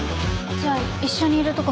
じゃあ一緒にいるとこ。